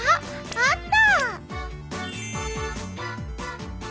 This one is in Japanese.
あった。